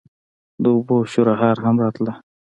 د اوبو شرهار هم راته.